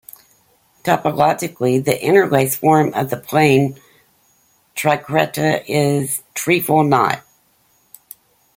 Topologically, the interlaced form of the plain triquetra is a trefoil knot.